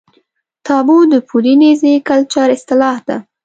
تابو د پولي نیزي کلچر اصطلاح ده.